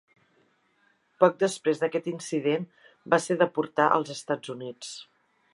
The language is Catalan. Poc després d'aquest incident, va ser deportar als Estats Units.